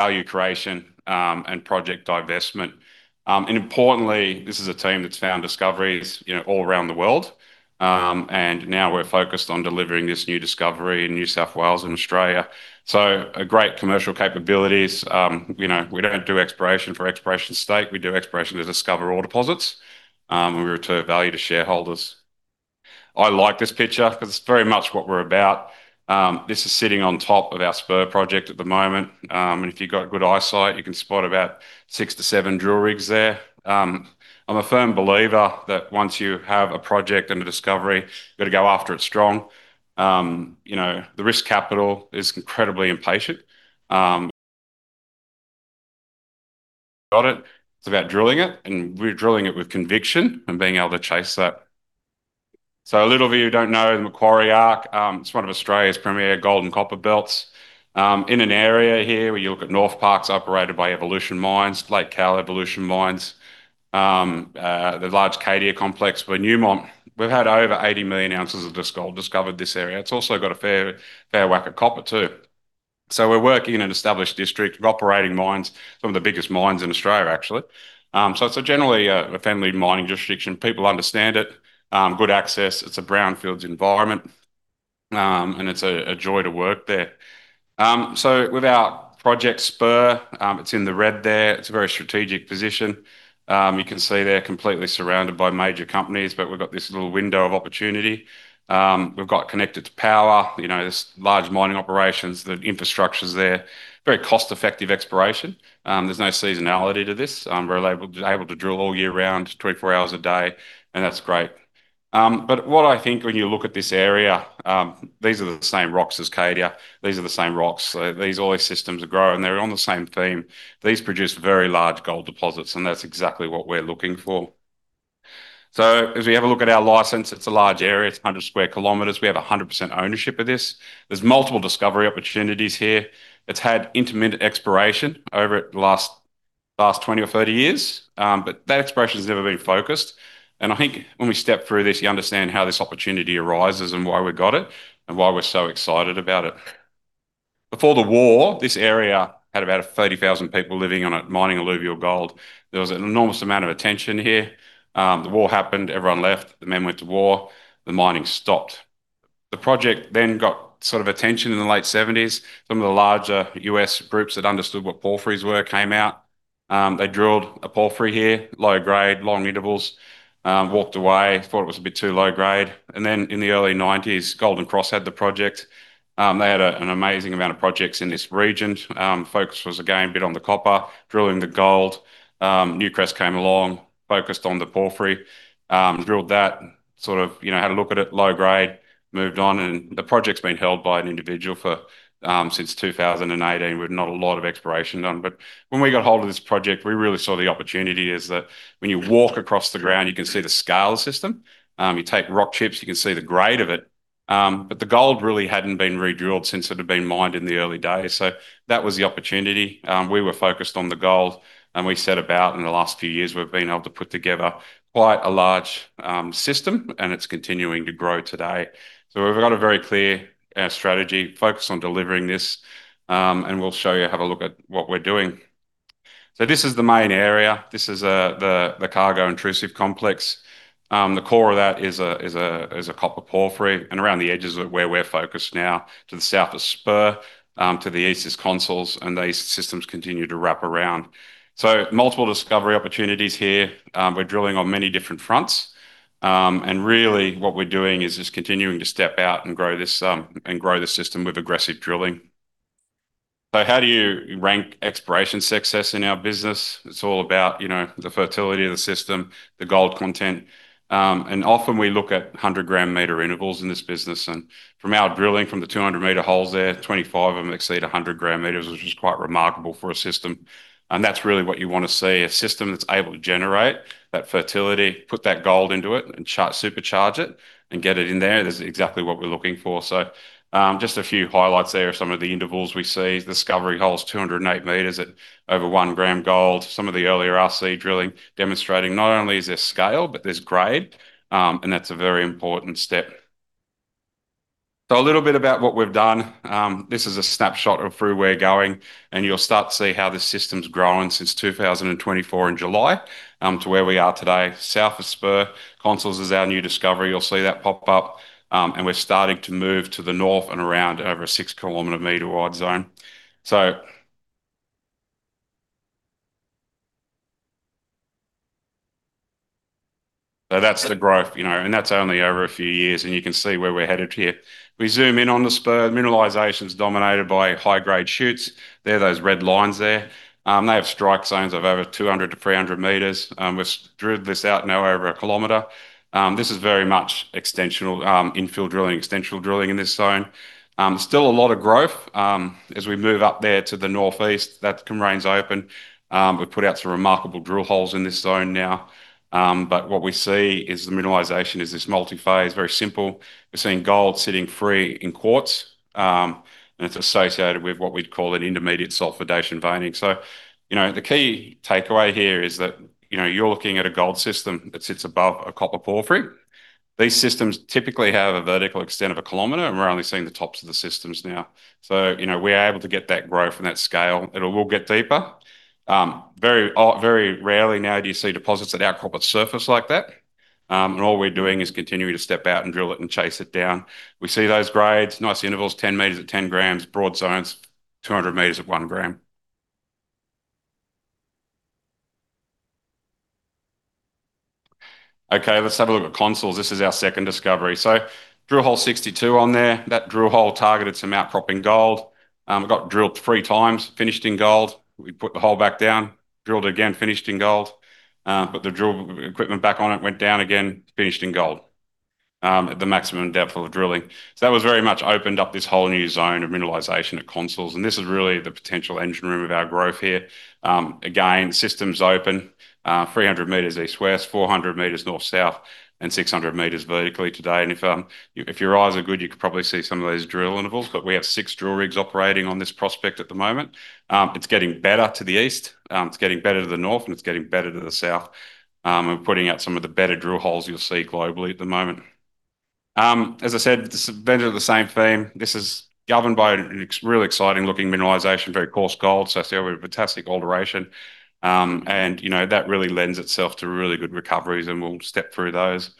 Value creation and project divestment. Importantly, this is a team that's found discoveries all around the world. Now we're focused on delivering this new discovery in New South Wales in Australia. Great commercial capabilities. We don't do exploration for exploration's sake. We do exploration to discover ore deposits, and we return value to shareholders. I like this picture because it's very much what we're about. This is sitting on top of our Spur Project at the moment. If you've got good eyesight, you can spot about six to seven drill rigs there. I'm a firm believer that once you have a project and a discovery, you've got to go after it strong. The risk capital is incredibly impatient. Got it. It's about drilling it, and we're drilling it with conviction and being able to chase that. A little of you who don't know the Macquarie Arc. It's one of Australia's premier gold and copper belts. In an area here where you look at Northparkes operated by Evolution Mining, Cowal Evolution Mining, the large Cadia complex by Newmont. We've had over 80 million oz of gold discovered this area. It's also got a fair whack of copper, too. We're working in an established district of operating mines, some of the biggest mines in Australia, actually. It's generally a friendly mining jurisdiction. People understand it. Good access. It's a brownfields environment. It's a joy to work there. With our project Spur, it's in the red there. It's a very strategic position. You can see they're completely surrounded by major companies, but we've got this little window of opportunity. We've got connected to power. There's large mining operations. The infrastructure's there. Very cost-effective exploration. There's no seasonality to this. We're able to drill all year round, 24 hours a day, and that's great. What I think when you look at this area, these are the same rocks as Cadia. These are the same rocks. These ore systems are growing. They're on the same theme. These produce very large gold deposits, and that's exactly what we're looking for. As we have a look at our license, it's a large area. It's 100 sq km. We have 100% ownership of this. There's multiple discovery opportunities here. It's had intermittent exploration over the last 20 or 30 years. That exploration has never been focused. I think when we step through this, you understand how this opportunity arises and why we got it and why we're so excited about it. Before the war, this area had about 30,000 people living on it, mining alluvial gold. There was an enormous amount of attention here. The war happened. Everyone left. The men went to war. The mining stopped. The project then got sort of attention in the late 1970s. Some of the larger U.S. groups that understood what porphyries were came out. They drilled a porphyry here, low grade, long intervals. Walked away, thought it was a bit too low grade. Then in the early 1990s, Golden Cross had the project. They had an amazing amount of projects in this region. Focus was again a bit on the copper, drilling the gold. Newcrest came along, focused on the porphyry. Drilled that, had a look at it, low grade, moved on. The project's been held by an individual since 2018 with not a lot of exploration done. When we got a hold of this project, we really saw the opportunity is that when you walk across the ground, you can see the scale of the system. You take rock chips, you can see the grade of it. The gold really hadn't been redrilled since it had been mined in the early days. That was the opportunity. We were focused on the gold, and we set about in the last few years, we've been able to put together quite a large system, and it's continuing to grow today. We've got a very clear strategy, focus on delivering this, and we'll show you, have a look at what we're doing. This is the main area. This is the Cargo Intrusive Complex. The core of that is a copper porphyry, and around the edges are where we're focused now, to the south of Spur, to the east is Consols, and these systems continue to wrap around. Multiple discovery opportunities here. We're drilling on many different fronts. Really what we're doing is just continuing to step out and grow this system with aggressive drilling. How do you rank exploration success in our business? It's all about the fertility of the system, the gold content. Often we look at 100 gram-metre intervals in this business. From our drilling, from the 200 m holes there, 25 of them exceed 100 gram-metre, which is quite remarkable for a system. That's really what you want to see, a system that's able to generate that fertility, put that gold into it, and supercharge it and get it in there. That's exactly what we're looking for. Just a few highlights there of some of the intervals we see. Discovery holes, 208 m at over 1 g gold. Some of the earlier RC drilling demonstrating not only is there scale, but there's grade. That's a very important step. A little bit about what we've done. This is a snapshot of where we're going, and you'll start to see how this system's grown since 2024 in July, to where we are today. South of Spur, Consols is our new discovery. You'll see that pop up. We're starting to move to the north and around over a 6 km wide zone. That's the growth, and that's only over a few years, and you can see where we're headed here. We zoom in on the Spur. Mineralization's dominated by high-grade shoots. They're those red lines there. They have strike zones of over 200 to 300 m. We've drilled this out now over 1 km. This is very much extensional, infill drilling, extensional drilling in this zone. Still a lot of growth. As we move up there to the northeast, that remains open. We've put out some remarkable drill holes in this zone now. What we see is the mineralization is this multi-phase, very simple. We're seeing gold sitting free in quartz. It's associated with what we'd call an intermediate-sulfidation veining. The key takeaway here is that you're looking at a gold system that sits above a copper porphyry. These systems typically have a vertical extent of 1 km, and we're only seeing the tops of the systems now. We're able to get that growth and that scale. It will get deeper. Very rarely now do you see deposits at our corporate surface like that. All we're doing is continuing to step out and drill it and chase it down. We see those grades, nice intervals, 10 m at 10 g, broad zones, 200 m at 1 g. Let's have a look at Consols. This is our second discovery. Drill hole 62 on there. That drill hole targeted some outcropping gold. It got drilled three times, finished in gold. We put the hole back down, drilled again, finished in gold. Put the drill equipment back on it, went down again, finished in gold, at the maximum depth of drilling. That very much opened up this whole new zone of mineralization at Consols, and this is really the potential engine room of our growth here. Again, system's open 300 m east-west, 400 m north-south, and 600 m vertically today. If your eyes are good, you could probably see some of these drill intervals. We have six drill rigs operating on this prospect at the moment. It's getting better to the east. It's getting better to the north, and it's getting better to the south. We're putting out some of the better drill holes you'll see globally at the moment. As I said, this is a venture of the same theme. This is governed by really exciting looking mineralization, very coarse gold. Sericite vital fantastic alteration. That really lends itself to really good recoveries and we'll step through those.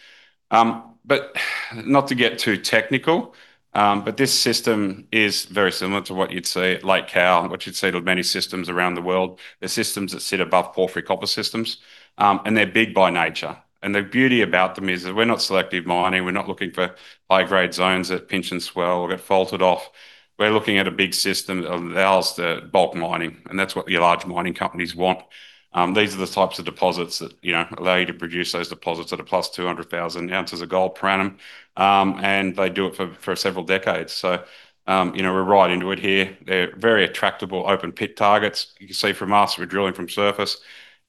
But not to get too technical, but this system is very similar to what you'd see at Lake Cowal, what you'd see with many systems around the world. They're systems that sit above porphyry copper systems. They're big by nature. The beauty about them is that we're not selective mining. We're not looking for high-grade zones that pinch and swell or get faulted off. We're looking at a big system that allows the bulk mining, and that's what your large mining companies want. These are the types of deposits that allow you to produce those deposits that are plus 200,000 oz of gold per annum. They do it for several decades. We're right into it here. They're very attractable open pit targets. You can see from us, we're drilling from surface.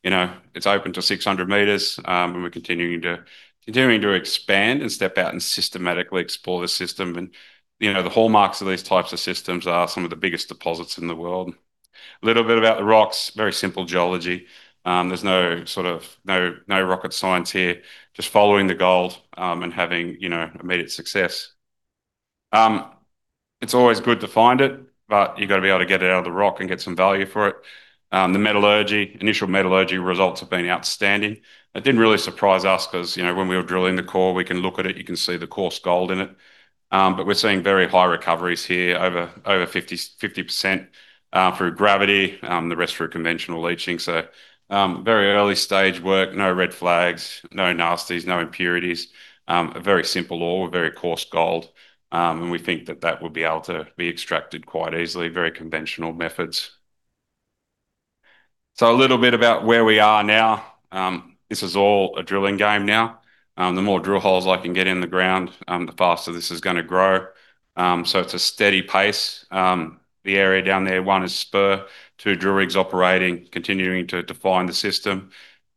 It's open to 600 m, and we're continuing to expand and step out and systematically explore the system. The hallmarks of these types of systems are some of the biggest deposits in the world. Little bit about the rocks, very simple geology. There's no rocket science here, just following the gold, and having immediate success. It's always good to find it, but you got to be able to get it out of the rock and get some value for it. The initial metallurgy results have been outstanding. It didn't really surprise us because when we were drilling the core, we can look at it, you can see the coarse gold in it. We're seeing very high recoveries here, over 50% through gravity. The rest are through conventional leaching. Very early stage work, no red flags, no nasties, no impurities. A very simple ore, a very coarse gold. We think that that would be able to be extracted quite easily, very conventional methods. A little bit about where we are now. This is all a drilling game now. The more drill holes I can get in the ground, the faster this is going to grow. It's a steady pace. The area down there, one is Spur, two drill rigs operating, continuing to define the system.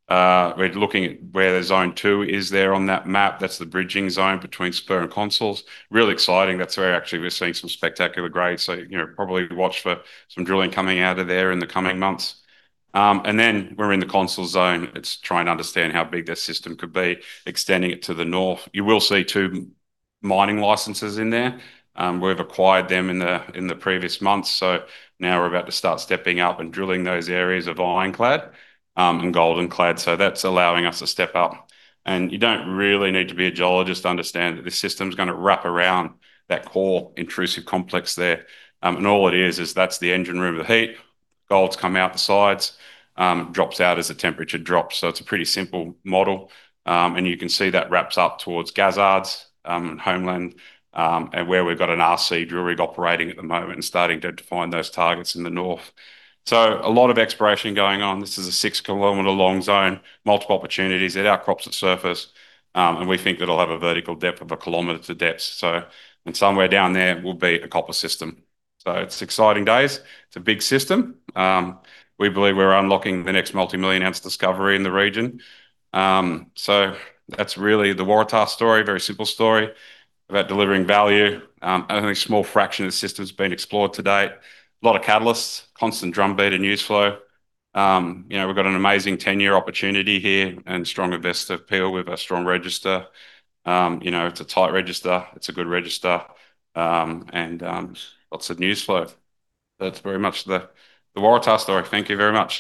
We're looking at where the Zone 2 is there on that map. That's the bridging zone between Spur and Consols. Real exciting. That's where actually we're seeing some spectacular grades. Probably watch for some drilling coming out of there in the coming months. Then we're in the Consols zone. It's trying to understand how big this system could be, extending it to the north. You will see two mining licenses in there. We've acquired them in the previous months. Now we're about to start stepping up and drilling those areas of Ironclad and Goldenclad. That's allowing us to step up. You don't really need to be a geologist to understand that this system's going to wrap around that core intrusive complex there. All it is that's the engine room of heat. Gold's come out the sides, drops out as the temperature drops. It's a pretty simple model. You can see that wraps up towards Gazzards and Homeland, where we've got an RC drill rig operating at the moment and starting to define those targets in the north. A lot of exploration going on. This is a 6 km-long zone, multiple opportunities. It outcrops at surface. We think it'll have a vertical depth of 1 km to depths. Somewhere down there will be a copper system. It's exciting days. It's a big system. We believe we're unlocking the next multimillion-ounce discovery in the region. That's really the Waratah story. Very simple story about delivering value. Only a small fraction of the system's been explored to date. A lot of catalysts, constant drumbeater news flow. We've got an amazing 10-year opportunity here and strong investor appeal. We have a strong register. It's a tight register, it's a good register, and lots of news flow. That's very much the Waratah story. Thank you very much.